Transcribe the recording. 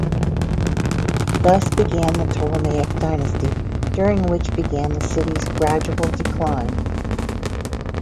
Thus began the Ptolemaic dynasty, during which began the city's gradual decline.